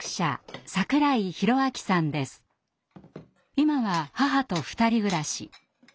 今は母と２人暮らし。